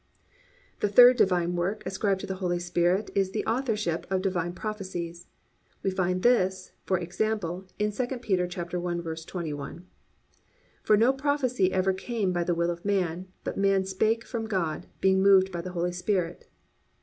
(3) The third divine work ascribed to the Holy Spirit is the authorship of divine prophecies. We find this, for example, in II Peter 1:21: +"For no prophecy ever came by the will of man: but men spake from God, being moved by the Holy Spirit."